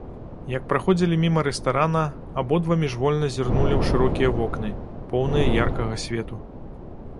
Як праходзілі міма рэстарана, абодва міжвольна зірнулі ў шырокія вокны, поўныя яркага свету.